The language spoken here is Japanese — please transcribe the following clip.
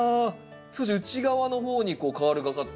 少し内側の方にこうカールがかって。